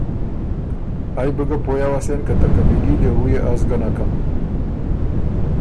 ائ بُو ګۀ پویٛ اوَسېن که ته قبیلي لېوُو يې از ګه نکم،